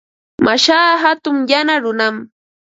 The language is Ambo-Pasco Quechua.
Mashaa hatun yana runam.